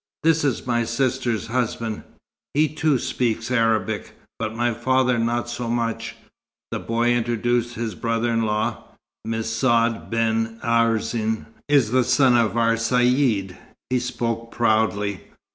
"This is my sister's husband. He too speaks Arabic, but my father not so much." The boy introduced his brother in law. "Messaud ben Arzen is the son of our Caïd," (he spoke proudly).